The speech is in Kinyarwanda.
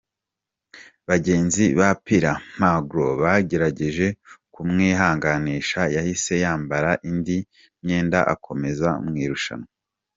Bagenzi ba Pilar Magro bagerageje kumwihanganisha, yahise yambara indi myenda akomeza mu irushanwa.